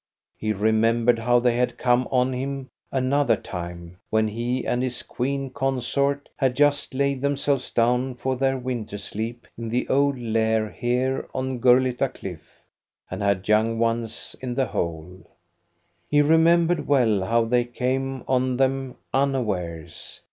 He remembered how they had come on him another time, when he and his queen consort had just laid themselves down for their winter sleep in the old lair here on Gurlitta Cliff and had young ones in the hole. He remembered well how they came on them unawares.